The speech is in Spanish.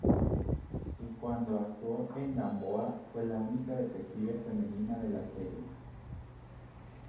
Y cuando actuó en "Gamboa", fue la única detective femenina de la serie.